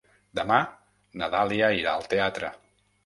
Demà na Dàlia irà al teatre.